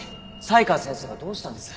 才川先生がどうしたんです？